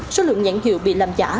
số lượng nhãn hiệu bị làm giả